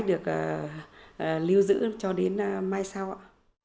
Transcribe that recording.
được lưu giữ cho đến mai sau ạ